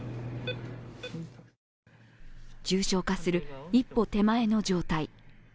重症化する一歩手前の状態。